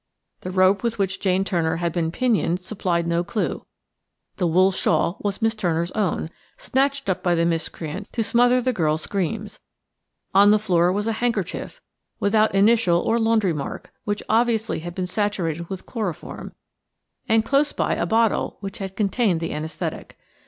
The rope with which Jane Turner had been pinioned supplied no clue; the wool shawl was Miss Turner's own, snatched up by the miscreant to smother the girl's screams; on the floor was a handkerchief, without initial or laundry mark, which obviously had been saturated with chloroform; and close by a bottle which had contained the anæsthetic.